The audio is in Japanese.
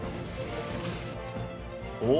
おっ！